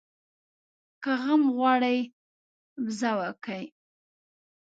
که غم غواړې ، بزه وکه.